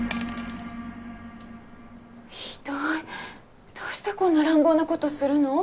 ひどいどうしてこんな乱暴なことするの？